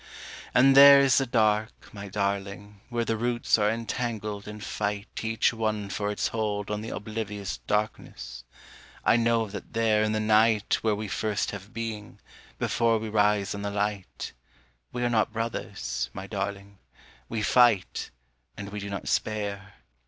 And there is the dark, my darling, where the roots are entangled and fight Each one for its hold on the oblivious darkness, I know that there In the night where we first have being, before we rise on the light, We are not brothers, my darling, we fight and we do not spare.